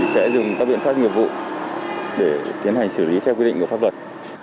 sẽ dùng các biện pháp nghiệp vụ để tiến hành xử lý theo quy định của pháp luật